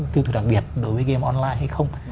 tư thuật đặc biệt đối với game online hay không